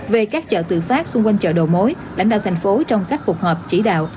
về các chợ tự phát xung quanh chợ đồ mối lãnh đạo thành phố trong các cuộc họp chỉ đạo